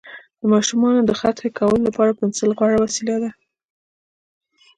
د ماشومانو د خط ښه کولو لپاره پنسل غوره وسیله ده.